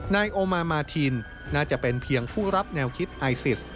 นายโอมามาทินน่าจะเป็นเพียงผู้รับแนวคิดไอซิส